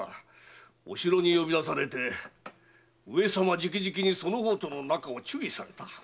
お城に呼び出されて上様直々にその方との仲を注意された。